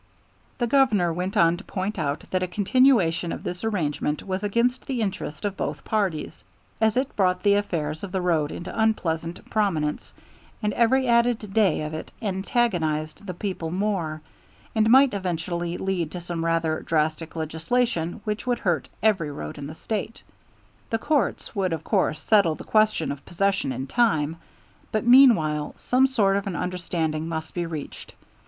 The Governor went on to point out that a continuation of this arrangement was against the interest of both parties, as it brought the affairs of the road into unpleasant prominence, and every added day of it antagonized the people more, and might eventually lead to some rather drastic legislation which would hurt every road in the State. The courts would of course settle the question of possession in time, but meanwhile some sort of an understanding must be reached.